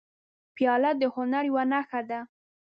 پیاله د هنر یوه نښه ده.